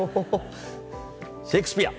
シェークスピア！